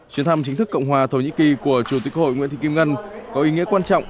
chuyến thăm chính thức cộng hòa thổ nhĩ kỳ của chủ tịch hội nguyễn thị kim ngân có ý nghĩa quan trọng